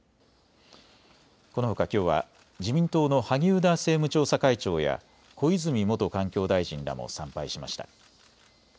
このほかきょうは自民党の萩生田政務調査会長や小泉元環境大臣らも参拝しました。